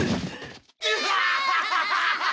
ハハハハ。